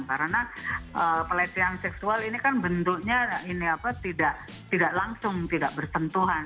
karena pelecehan seksual ini kan bentuknya tidak langsung tidak bertentuhan